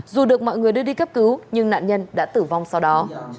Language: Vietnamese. dù được mọi người đưa đi cấp cứu nhưng nạn nhân đã tử vong sau đó